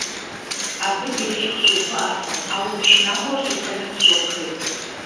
Абы дежи къыщыувыӀэркъым, а уз шынагъуэр щӀыфэми къыщохъей.